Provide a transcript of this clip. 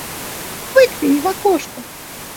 Выгляни в окошко.